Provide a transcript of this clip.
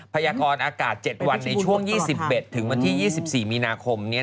พยากรอากาศ๗วันในช่วง๒๑ถึงวันที่๒๔มีนาคมนี้